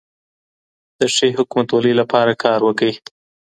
د ښې حکومتولۍ لپاره کار وکړئ.